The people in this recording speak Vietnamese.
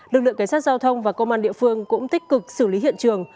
lực lượng cảnh sát giao thông và công an địa phương cũng tích cực xử lý hiện trường